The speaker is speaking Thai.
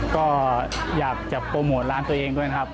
ก็อยากจะโปรโมทร้านตัวเองด้วยนะครับ